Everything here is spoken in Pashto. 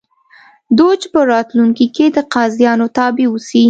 دوج په راتلونکي کې د قاضیانو تابع اوسي.